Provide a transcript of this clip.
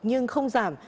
nhưng không giảm